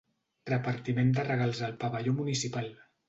Repartiment de regals al pavelló municipal.